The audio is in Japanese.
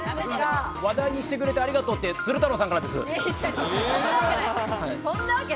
話題にしてくれてありがとうって、鶴太郎さんからです。